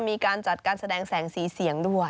มีการจัดการแสดงแสงสีเสียงด้วย